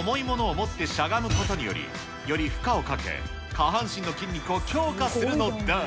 重いものをもってしゃがむことにより、より負荷をかけ、下半身の筋肉を強化するのだ。